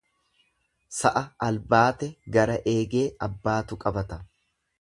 Sa'a albaate gara eegee abbaatu qabata.